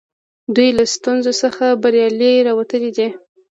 دوی له ستونزو څخه بریالي راوتلي دي.